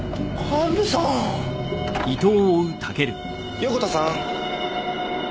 横田さん。